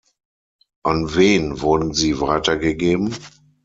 An wen wurden sie weitergegeben?